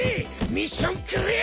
ミッションクリア！